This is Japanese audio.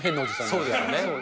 そうですね。